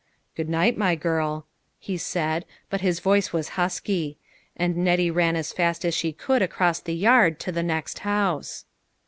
" Good night, my girl," he said, but his voice was husky ; and Nettie ran as fast as she could across the yard to the next house.